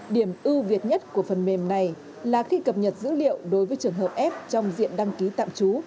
điểm ưu việt nhất của phần mềm này là khi cập nhật dữ liệu đối với trường hợp f trong diện đăng ký tạm trú